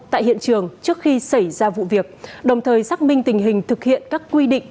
tại hiện trường trước khi xảy ra vụ việc đồng thời xác minh tình hình thực hiện các quy định